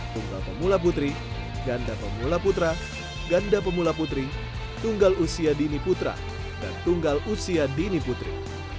tunggal pemula putri ganda pemula putra ganda pemula putri tunggal usia dini putra dan tunggal usia dini putri